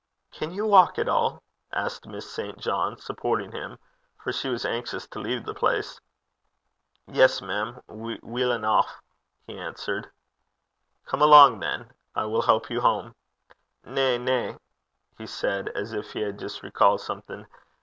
'Can you walk at all?' asked Miss St. John, supporting him, for she was anxious to leave the place. 'Yes, mem, weel eneuch,' he answered. 'Come along, then. I will help you home.' 'Na, na,' he said, as if he had just recalled something.